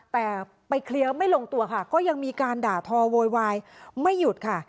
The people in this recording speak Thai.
แต่ไปเคลียร์ไม่ลงตัวค่ะก็ยังมีการด่าทอโวยวายไม่หยุดค่ะ